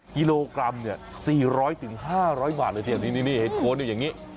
กิโลกรัม๔๐๐๕๐๐บาทเลยเห็ดโค้นอยู่อย่างนี้